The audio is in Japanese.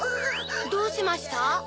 どうしました？